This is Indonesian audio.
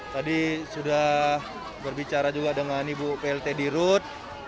tadi sudah berbicara juga dengan ibu plt di rut